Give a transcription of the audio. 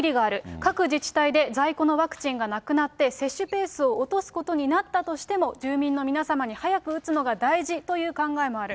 各自治体で在庫のワクチンがなくなって、接種ペースを落とすことになったとしても住民の皆様に早く打つのが大事という考えもある。